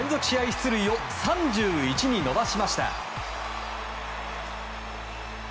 出塁を３１に伸ばしました。